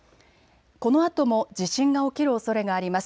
このあとも地震が起きるおそれがあります。